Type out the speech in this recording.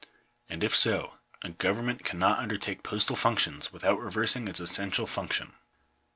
And if so, a government! cannot undertake postal functions without reversing its essen j tial function.